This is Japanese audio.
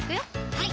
はい